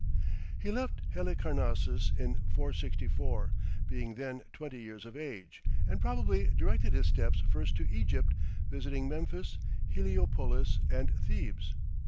He left Halicarnassus in 464, being then twenty years of age, and probably directed his steps first to Egypt, visiting Memphis, Heliopolis, and Thebes.